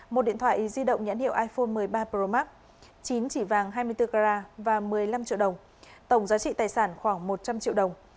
một điện thoại di động nhãn hiệu iphone một mươi ba pro max chín chỉ vàng hai mươi bốn gra và một mươi năm triệu đồng tổng giá trị tài sản khoảng một trăm linh triệu đồng